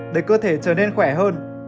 để cơ thể trở nên khỏe hơn